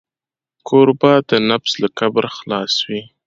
کوربه د نفس له کبره خلاص وي.